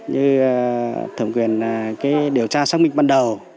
như thẩm quyền điều tra xác minh ban đầu